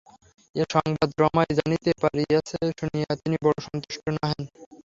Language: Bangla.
এ সংবাদ রমাই জানিতে পারিয়াছে শুনিয়া তিনি বড়ো সন্তুষ্ট নহেন।